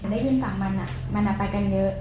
ได้ยินฝากมันอ่ะมันอ่ะไปกันเยอะ